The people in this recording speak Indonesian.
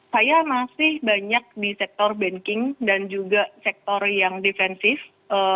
saya masih banyak di sektor banking dan juga sektor yang defensif